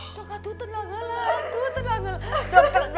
sok aduh tenanglah